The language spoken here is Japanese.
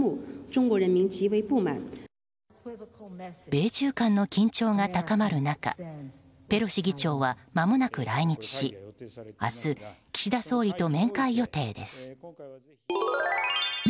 米中間の緊張が高まる中ペロシ議長は、まもなく来日し明日、岸田総理と面会予定です。